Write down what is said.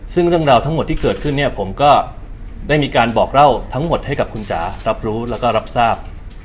ซึ่งเรื่องราวทั้งหมดที่เกิดขึ้นเนี่ยผมก็ได้มีการบอกเล่าทั้งหมดให้กับคุณจ๋ารับรู้แล้วก็รับทราบ